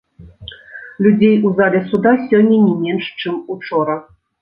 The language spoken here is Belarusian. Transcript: Людзей у зале суда сёння не менш, чым учора.